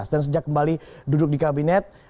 dan sejak kembali duduk di kabinet